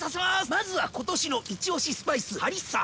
まずは今年のイチオシスパイスハリッサ！